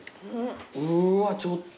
うわちょっと。